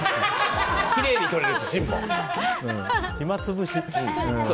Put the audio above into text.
きれいに取れるし、芯も。